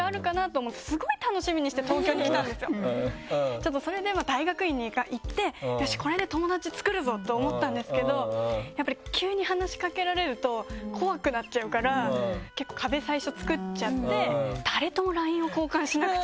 ちょっとそれで大学院に行ってよしこれで友達作るぞ！と思ったんですけどやっぱり急に話しかけられると怖くなっちゃうから結構壁最初作っちゃって。